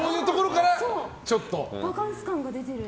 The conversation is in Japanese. バカンス感が出てる。